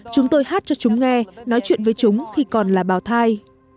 chúng tôi hát cho chúng nghe nói chuyện với chúng khi còn là bảo thai